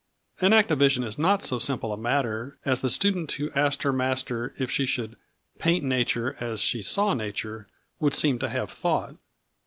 An act of vision is not so simple a matter as the student who asked her master if she should "paint nature as she saw nature" would seem to have thought.